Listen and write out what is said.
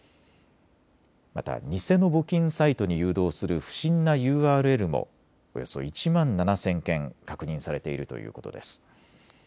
また偽の募金サイトに誘導する不審なＵＲＬもおよそ１万７０００件確認されているということです。